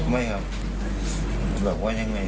ไม่ครับ